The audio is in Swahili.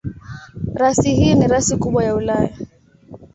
Rasi hii ni rasi kubwa ya Ulaya.